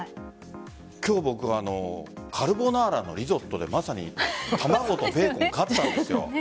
今日、カルボナーラのリゾットでまさに卵とベーコン買ったんですよ。